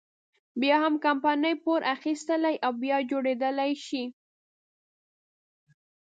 بيا هم کمپنۍ پور اخیستلی او بیا جوړېدلی شي.